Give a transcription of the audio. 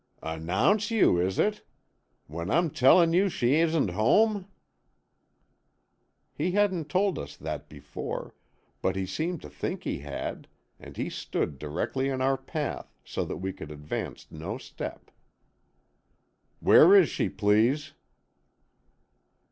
"Announce you, is it? When I'm tellin' you she isn't home!" He hadn't told us that before, but he seemed to think he had, and he stood directly in our path, so that we could advance no step. "Where is she, please?"